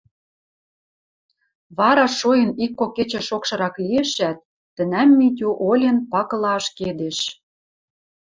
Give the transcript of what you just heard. Вара шоэн ик-кок кечӹ шокшырак лиэшӓт, тӹнӓм Митю олен пакыла ашкедеш.